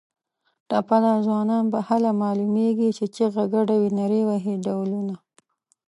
ټپه ده: ځوانان به هله معلومېږي چې چیغه ګډه وي نري وهي ډولونه